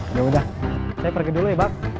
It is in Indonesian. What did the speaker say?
ya udah saya pergi dulu ya bang